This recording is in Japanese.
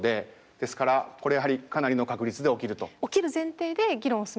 ですからこれやはりかなりの確率で起きると。